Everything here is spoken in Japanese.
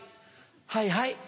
はいはい。